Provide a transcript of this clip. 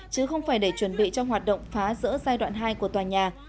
chứ không phải để chuẩn bị cho hoạt động phá rỡ giai đoạn hai của tòa nhà